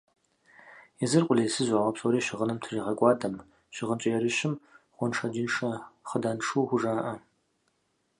Езыр къулейсызу, ауэ псори щыгъыным тезыгъэкӀуадэм, щыгъынкӀэ ерыщым гъуэншэджыншэ хъыданшу хужаӀэ.